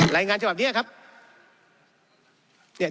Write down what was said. รายงานเฉพาะแบบนี้ครับ